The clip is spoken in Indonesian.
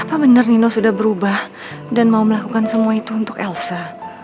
apa benar nino sudah berubah dan mau melakukan semua itu untuk elsa